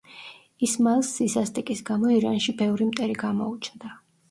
ისმაილს სისასტიკის გამო ირანში ბევრი მტერი გამოუჩნდა.